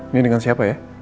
ini dengan siapa ya